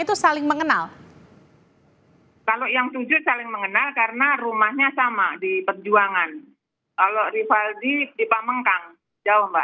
yang tujuh saling mengenal karena rumahnya sama di perjuangan kalau rivaldi dijauh